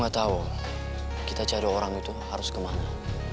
gue gak tahu kita cari orang itu harus kemana